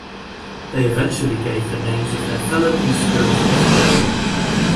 They eventually gave the names of their fellow conspirators.